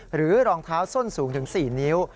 รองเท้าส้นสูงถึง๔นิ้ว